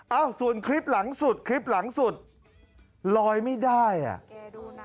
เอ้าส่วนคลิปหลังสุดคลิปหลังสุดลอยไม่ได้อ่ะ